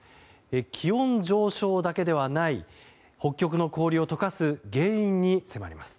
気温上昇だけではない北極の氷を解かす原因に迫ります。